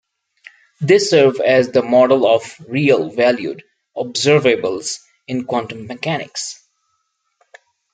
They serve as the model of real-valued observables in quantum mechanics.